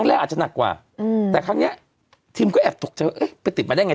เหมือนกับทิม